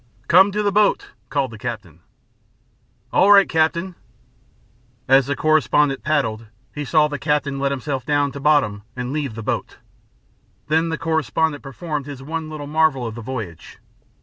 "Come to the boat," called the captain. "All right, captain." As the correspondent paddled, he saw the captain let himself down to bottom and leave the boat. Then the correspondent performed his one little marvel of the voyage.